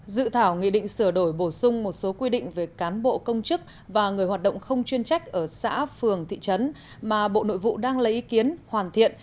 dự thảo nghị định sửa đổi bổ sung một số quy định về cán bộ công chức và người hoạt động không chuyên trách ở xã phường thị trấn mà bộ nội vụ đang lấy ý kiến hoàn thiện